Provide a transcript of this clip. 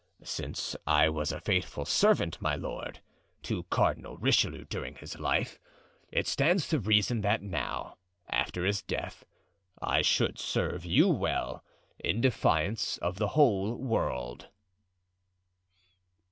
"Since I was a faithful servant, my lord, to Cardinal Richelieu during his life, it stands to reason that now, after his death, I should serve you well, in defiance of the whole world."